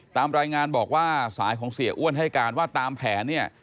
ตามรายงานบอกว่าสายของเสียอ้วนให้การว่าตามแผนเนี่ย